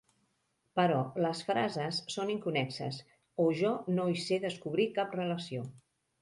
Però les frases són inconnexes, o jo no hi sé descobrir cap relació.